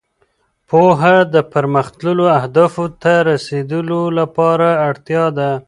پوهه د پرمختللو اهدافو ته رسېدو لپاره اړتیا ده.